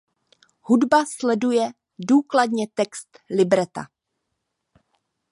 Hudba sleduje důsledně text libreta.